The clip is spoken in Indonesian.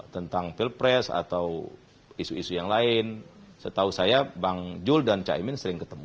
tentang pilpres atau isu isu yang lain setahu saya bang jul dan caimin sering ketemu